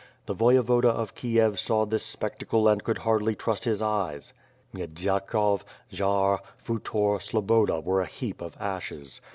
The Voyevoda of Kiev saw this spectacle and could hardly trust his eyes, Miedzyakov, Zhar, Futor, Sloboda were a heap of ashes.